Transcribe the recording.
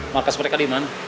maka seperti kadiman